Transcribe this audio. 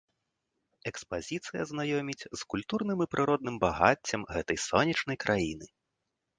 Экспазіцыя знаёміць з культурным і прыродным багаццем гэтай сонечнай краіны.